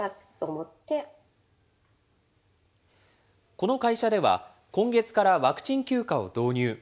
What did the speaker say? この会社では、今月からワクチン休暇を導入。